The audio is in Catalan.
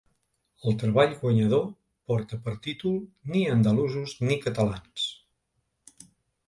El treball guanyador porta per títol Ni andalusos, ni catalans.